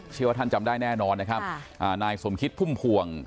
เชื่อว่าท่านจำได้แน่นอนนะครับนายสมคิดพุ่มพวง